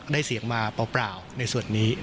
เสียงมาเปล่าในส่วนนี้